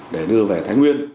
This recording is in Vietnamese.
để đưa về thái nguyên